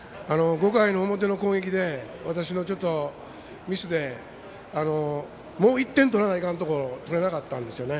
５回の表の攻撃で私のミスでもう１点取らないかんところを取れなかったんですよね。